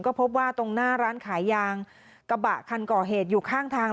ก็พบว่าตรงหน้าร้านขายยางกระบะคันก่อเหตุอยู่ข้างทาง